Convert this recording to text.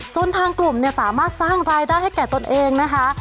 ทางกลุ่มเนี่ยสามารถสร้างรายได้ให้แก่ตนเองนะคะ